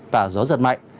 và gió giật mạnh